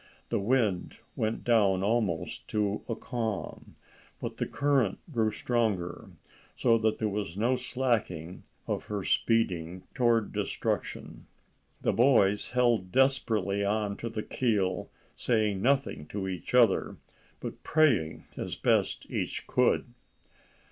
The wind went down almost to a calm, but the current grew stronger, so that there was no slacking of her speeding toward destruction. The boys held desperately on to the keel, saying nothing to each other, but praying as best each could.